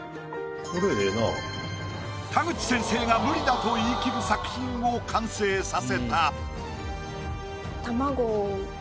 田口先生が無理だと言い切る作品を完成させた。